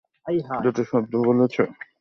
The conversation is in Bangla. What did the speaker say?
দুটো শব্দ বলেছ।